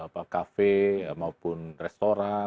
tutup kafe maupun restoran